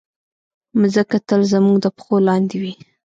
مځکه تل زموږ د پښو لاندې وي.